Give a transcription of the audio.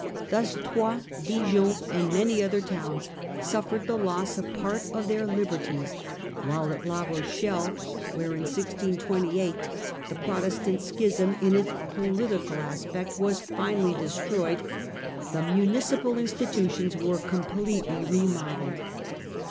Thus Troyes Dijon, and many other towns suffered the loss of part of their liberties, while at La Rochelle, where in 1628 the Protestant schism in its political aspect was finally destroyed, the municipal institutions were com pletely remodelled.